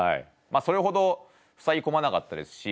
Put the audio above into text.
まあそれほどふさぎ込まなかったですし